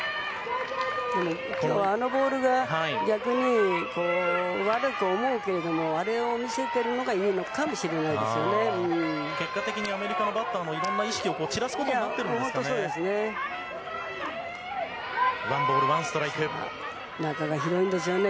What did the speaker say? でも、きょうはあのボールが逆にこう、悪く思うけれども、あれを見せてるのがいいのかもし結果的にアメリカのバッターも、いろんな意識を散らすことになってるんですかね？